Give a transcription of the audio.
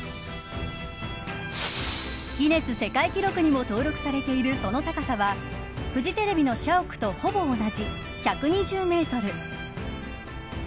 ギネス世界記録にも登録されているその高さはフジテレビの社屋とほぼ同じ１２０メートル。